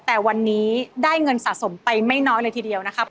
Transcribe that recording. แต่วันนี้ได้เงินสะสมไปไม่น้อยเลยทีเดียวนะครับ